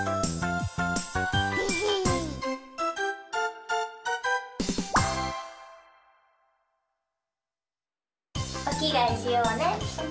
でへへおきがえしようね。